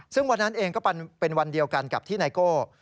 ซึ่งวันนั้นเองก็เป็นวันเดียวกันกับที่ไนโก้